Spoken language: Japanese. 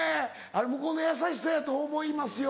向こうの優しさやと思いますよ。